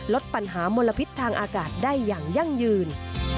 ลดปัญหามลพิษทางอากาศได้อย่างยั่งยืน